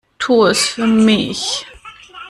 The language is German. Tu es für mich!